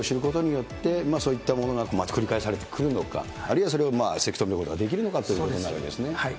やっぱこういった歴史を知ることによって、そういったものが繰り返されてくるのか、あるいはそれをせき止めることができるのかということなんですね。